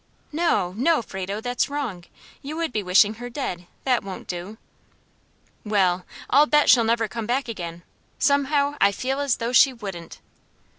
"No! no! Frado, that's wrong! you would be wishing her dead; that won't do." "Well, I'll bet she'll never come back again; somehow, I feel as though she wouldn't."